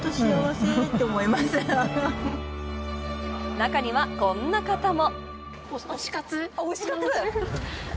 中にはこんな方も。